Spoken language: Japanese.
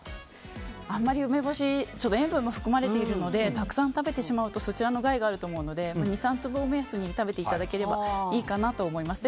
あまり梅干し塩分も含まれているのでたくさん食べてしまうとそちらの害があると思うので２３粒を目安に食べていただければいいかなと思います。